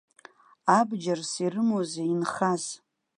Абџьарс ирымоузеи инхаз?